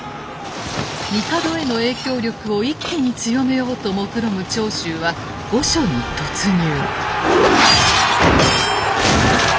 帝への影響力を一気に強めようともくろむ長州は御所に突入。